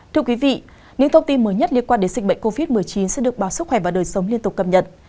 thưa quý vị những thông tin mới nhất liên quan đến dịch bệnh covid một mươi chín sẽ được báo sức khỏe và đời sống liên tục cập nhật